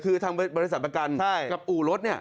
คือทางบริษัทประกันกับอู่รถเนี่ย